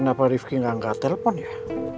kenapa rifki gak angkat telepon ya